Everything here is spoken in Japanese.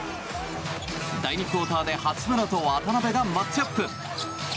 第２クオーターで八村と渡邊がマッチアップ。